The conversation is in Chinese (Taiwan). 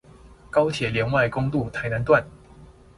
高鐵聯外公路臺南段